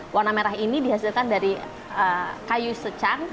warna merah ini dihasilkan dari kayu secang